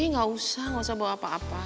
ih gak usah gak usah bawa apa apa